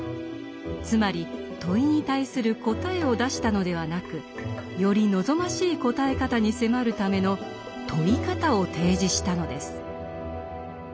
つまり問いに対する「答え」を出したのではなくより望ましい答え方に迫るための「問い方」を提示したのです。